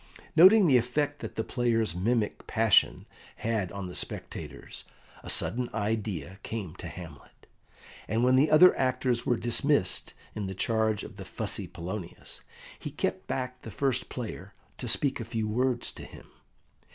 Noting the effect that the player's mimic passion had on the spectators, a sudden idea came to Hamlet, and when the other actors were dismissed, in the charge of the fussy Polonius, he kept back the first player to speak a few words to him.